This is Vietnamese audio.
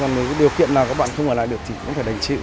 còn nếu điều kiện nào các bạn không ở lại được thì cũng phải đành chịu